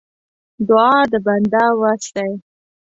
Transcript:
دعا د بنده وس دی.